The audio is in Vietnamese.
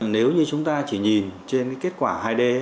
nếu như chúng ta chỉ nhìn trên cái kết quả hai d